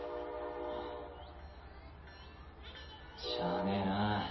しゃあねえな。